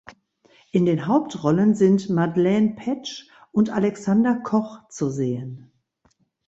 In den Hauptrollen sind Madelaine Petsch und Alexander Koch zu sehen.